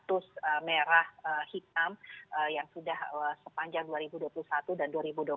status merah hitam yang sudah sepanjang dua ribu dua puluh satu dan dua ribu dua puluh satu